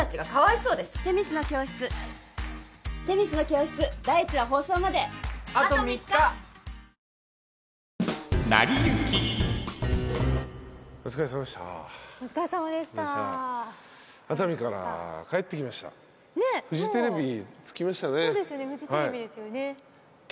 そうですよねフジテレビですよね。